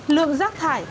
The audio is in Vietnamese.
lượng rác thải